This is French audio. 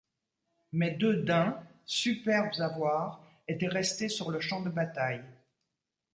Mais deux daims, superbes à voir, étaient restés sur le champ de bataille.